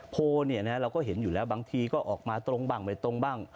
โพลเราก็เห็นอยู่แล้วบางทีก็ออกมาตรงบ้างไม่ตรงบ้าง